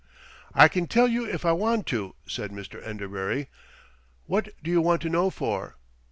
"I can tell you if I want to," said Mr. Enderbury. "What do you want to know for?"